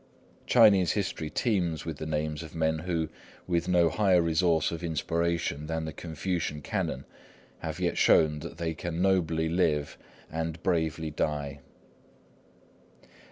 Chinese history teems with the names of men who, with no higher source of inspiration than the Confucian Canon, have yet shown that they can nobly live and bravely die.